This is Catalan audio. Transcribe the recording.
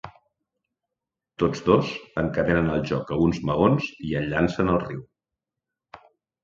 Tots dos encadenen el joc a uns maons i el llancen al riu.